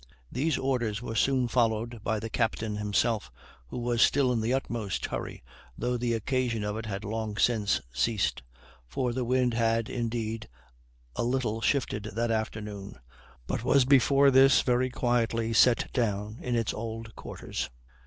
These orders were soon followed by the captain himself, who was still in the utmost hurry, though the occasion of it had long since ceased; for the wind had, indeed, a little shifted that afternoon, but was before this very quietly set down in its old quarters.